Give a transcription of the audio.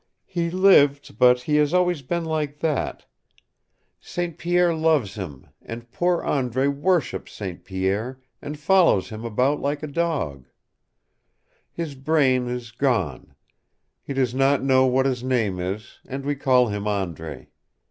He lived, but he has always been like that. St. Pierre loves him, and poor Andre worships St. Pierre and follows him about like a dog. His brain is gone. He does not know what his name is, and we call him Andre.